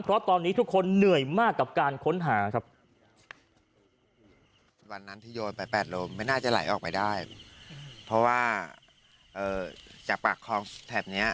เพราะตอนนี้ทุกคนเหนื่อยมากกับการค้นหาครับ